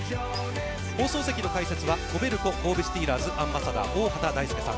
放送席の解説は、コベルコ神戸スティーラーズアンバサダー、大畑大介さん。